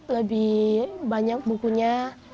lebih banyak bukunya